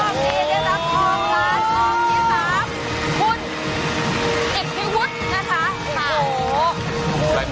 พูดของนี้นะครับ